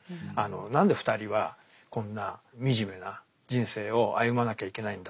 何で２人はこんな惨めな人生を歩まなきゃいけないんだ。